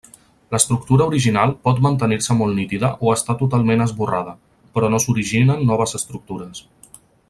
L'estructura original pot mantenir-se molt nítida o estar totalment esborrada, però no s'originen noves estructures.